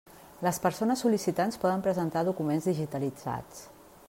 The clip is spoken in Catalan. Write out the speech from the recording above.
Les persones sol·licitants poden presentar documents digitalitzats.